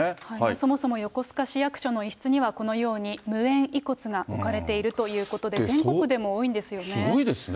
そもそも横須賀市役所の一室には、このように無縁遺骨が置かれているということで、すごいですね。